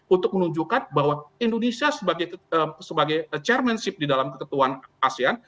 untuk menunjukkan bahwa indonesia sebagai chairmanship di dalam keketuan asean